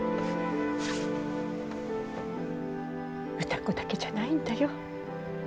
歌子だけじゃないんだよ。